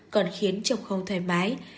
còn khiến chồng không thoải mái